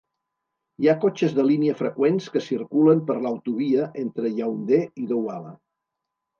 Hi ha cotxes de línia freqüents que circulen per l'autovia entre Yaoundé i Douala.